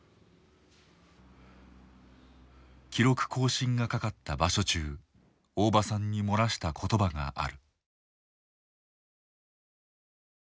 記録更新がかかった場所中大庭さんに漏らした言葉がある。